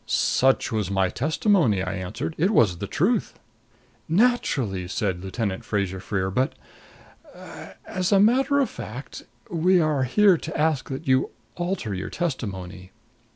"Such was my testimony," I answered. "It was the truth." "Naturally," said Lieutenant Fraser Freer. "But er as a matter of fact, we are here to ask that you alter your testimony.